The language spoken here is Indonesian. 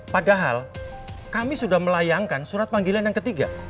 padahal kami sudah melayangkan surat panggilan yang ketiga